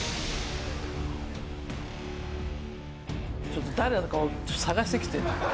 ちょっと誰なのかを探してきてって。